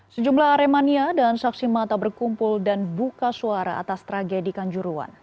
sejumlah aremania dan saksi mata berkumpul dan buka suara atas tragedi kanjuruan